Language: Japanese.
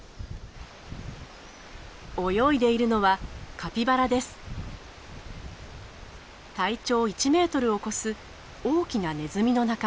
泳いでいるのは体長１ｍを超す大きなネズミの仲間。